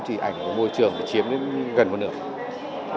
thì ảnh của môi trường chiếm đến gần một nửa